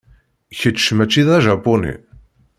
Kečč mačči d ajapuni.